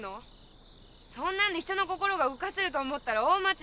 そんなんで人の心が動かせると思ったら大間違い。